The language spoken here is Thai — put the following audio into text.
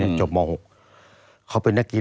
ตั้งแต่ปี๒๕๓๙๒๕๔๘